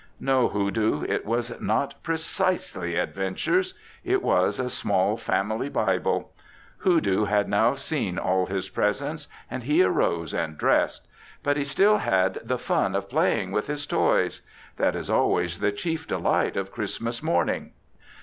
No, Hoodoo, it was not precisely adventures. It was a small family Bible. Hoodoo had now seen all his presents, and he arose and dressed. But he still had the fun of playing with his toys. That is always the chief delight of Christmas morning.